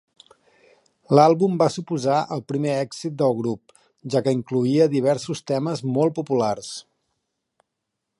L'àlbum va suposar el primer èxit del grup, ja que incloïa diversos temes molt populars.